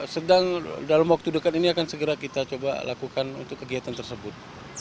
sedang dalam waktu dekat ini akan segera kita coba lakukan untuk kegiatan tersebut